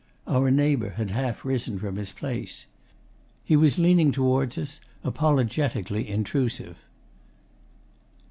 Our neighbour had half risen from his place. He was leaning towards us, apologetically intrusive.